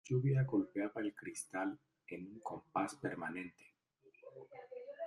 La lluvia golpeaba el cristal en un compás permanente